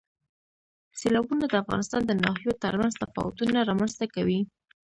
سیلابونه د افغانستان د ناحیو ترمنځ تفاوتونه رامنځ ته کوي.